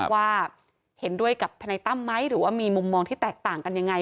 ว่าเห็นด้วยกับทนายตั้มไหมหรือว่ามีมุมมองที่แตกต่างกันยังไง